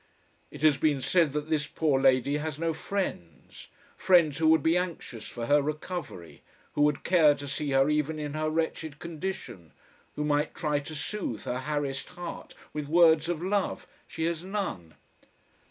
It has been said that this poor lady has no friends. Friends who would be anxious for her recovery, who would care to see her even in her wretched condition, who might try to soothe her harassed heart with words of love, she has none.